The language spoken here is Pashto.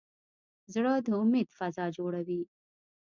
زړه د امید فضا جوړوي.